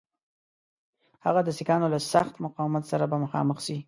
هغه د سیکهانو له سخت مقاومت سره به مخامخ سي.